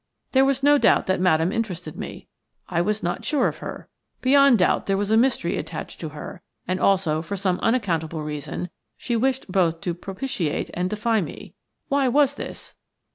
There was no doubt that Madame interested me. I was not sure of her. Beyond doubt there was a mystery attached to her, and also, for some unaccountable reason, she wished both to propitiate and defy me. Why was this?